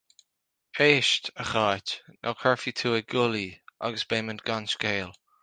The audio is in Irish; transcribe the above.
Éist, a Cháit, nó cuirfidh tú ag gol í, agus beimid gan scéal.